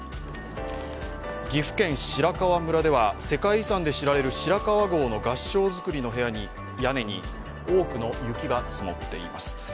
岐阜県白川村では世界遺産で知られる白川郷の合掌造りの屋根に多くの雪が積もっています。